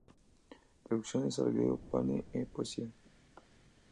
Traducciones al griego: Pane e poesia.